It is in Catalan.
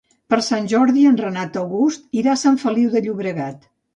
Per Sant Jordi en Renat August irà a Sant Feliu de Llobregat.